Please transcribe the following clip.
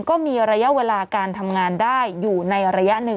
ก็มีระยะเวลาการทำงานได้อยู่ในระยะหนึ่ง